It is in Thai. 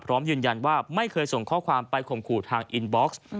พร้อมยืนยันว่าไม่เคยส่งข้อความไปข่มขู่ทางอินบ็อกซ์